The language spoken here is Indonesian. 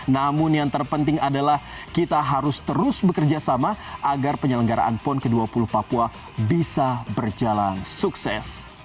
namun yang terpenting adalah kita harus terus bekerja sama agar penyelenggaraan pon ke dua puluh papua bisa berjalan sukses